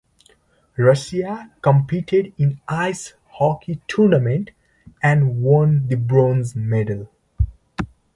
Russia competed in the ice hockey tournament and won the bronze medal.